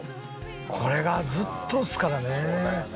これがずっとですからね。